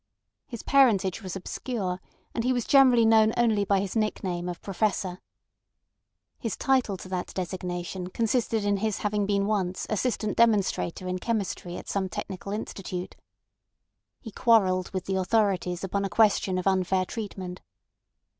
His parentage was obscure, and he was generally known only by his nickname of Professor. His title to that designation consisted in his having been once assistant demonstrator in chemistry at some technical institute. He quarrelled with the authorities upon a question of unfair treatment.